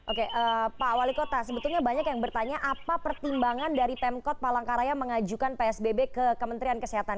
oke pak wali kota sebetulnya banyak yang bertanya apa pertimbangan dari pemkot palangkaraya mengajukan psbb ke kementerian kesehatan